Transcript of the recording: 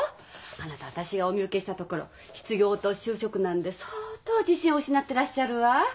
あなた私がお見受けしたところ失業と就職難で相当自信を失ってらっしゃるわ。